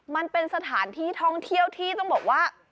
มันเป็นสถานที่ท่องเที่ยวที่ต้องบอกว่า